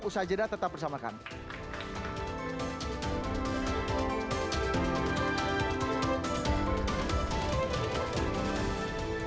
usaha jeda tetap bersama kami